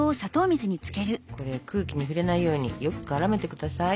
これ空気に触れないようによく絡めて下さい。